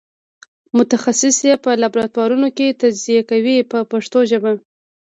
متخصصین یې په لابراتوارونو کې تجزیه کوي په پښتو ژبه.